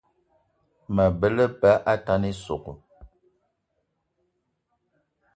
Mabe á lebá atane ísogò